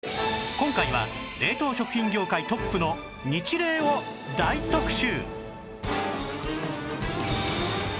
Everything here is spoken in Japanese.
今回は冷凍食品業界トップのニチレイを大特集！